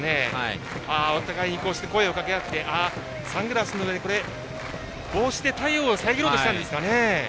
お互いに声をかけ合ってサングラスの上帽子で太陽を遮ろうとしたんですかね。